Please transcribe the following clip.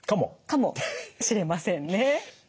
かもしれませんね。